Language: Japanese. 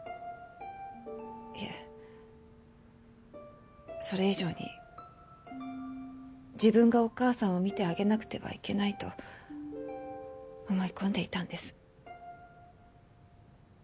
いえそれ以上に自分がお母さんをみてあげなくてはいけないと思い込んでいたんです。